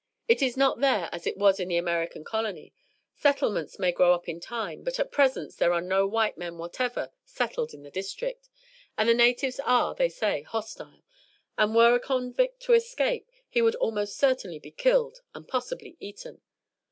It is not there as it was in the American colony. Settlements may grow up in time, but at present there are no white men whatever settled in the district; and the natives are, they say, hostile, and were a convict to escape he would almost certainly be killed, and possibly eaten.